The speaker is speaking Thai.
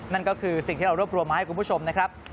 นั่นก็คือสิ่งที่เรารวบรวมมาให้คุณผู้ชมนะครับ